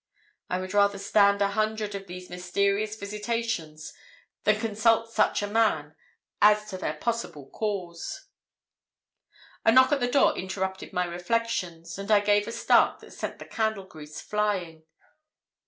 I would rather stand a hundred of these mysterious visitations than consult such a man as to their possible cause. "A knock at the door interrupted my reflections, and I gave a start that sent the candle grease flying.